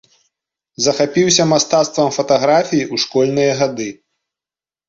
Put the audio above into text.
Захапіўся мастацтвам фатаграфіі ў школьныя гады.